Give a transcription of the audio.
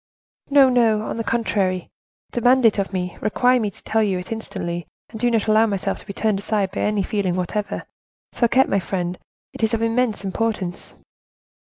"No, no, on the contrary, demand it of me; require me to tell it to you instantly, and not to allow myself to be turned aside by any feeling whatever. Fouquet, my friend! it is of immense importance."